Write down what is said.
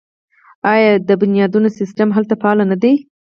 آیا د بنیادونو سیستم هلته فعال نه دی؟